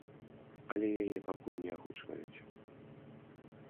Але яе пакуль не агучваюць.